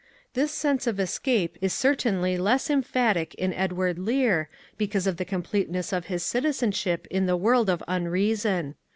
This sense of escape is certainly A Defence of Nonsense less emphatic in Edward Lear, because of the completeness of his citizenship in the world of unreason.